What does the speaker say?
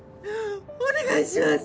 お願いします